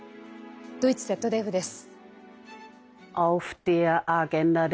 ドイツＺＤＦです。